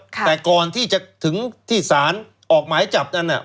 แต่ก่อนที่จะถึงที่สารออกหมายจับนั้น